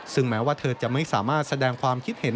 ซึ่งแม้ว่าเธอจะไม่สามารถแสดงความคิดเห็น